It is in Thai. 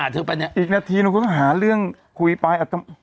ไถหาข่าว